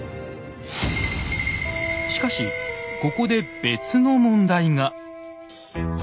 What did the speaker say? しかしここで別の問題が。